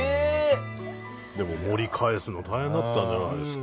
でも盛り返すの大変だったんじゃないですか？